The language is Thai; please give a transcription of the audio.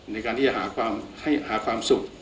ในการที่จะหาความสุข